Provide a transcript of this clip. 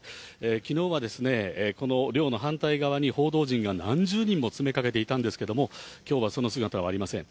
きのうはですね、この寮の反対側に報道陣が何十人も詰めかけていたんですけれども、きょうはその姿はありません。